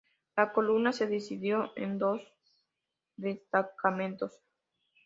La columna se dividió en dos destacamentos.